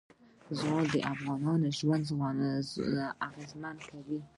زغال د افغانانو ژوند اغېزمن کوي.